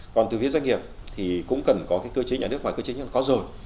còn từ phía doanh nghiệp thì cũng cần có cơ chế nhà nước và cơ chế nhân có rồi